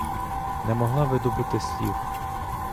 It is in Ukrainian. Не могла видобути слів.